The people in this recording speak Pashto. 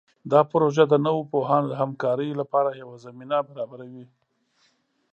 دا پروژه د نوو پوهانو د همکارۍ لپاره یوه زمینه برابروي.